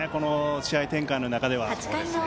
試合展開の中では。